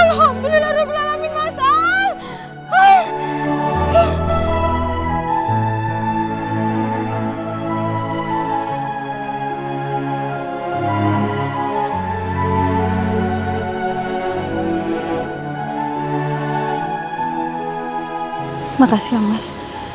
terima kasih mas